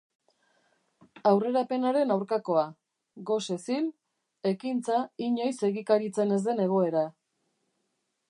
Aurrerapenaren aurkakoa: gosez hil, ekintza inoiz egikaritzen ez den egoera.